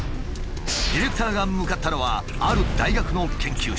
ディレクターが向かったのはある大学の研究室。